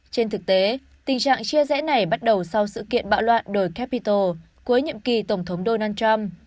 trên thực tế tình trạng chia rẽ này bắt đầu sau sự kiện bạo loạn đời capitol cuối nhiệm kỳ tổng thống donald trump